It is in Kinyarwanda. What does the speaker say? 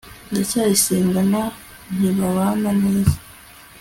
ndacyayisenga na j ntibabana neza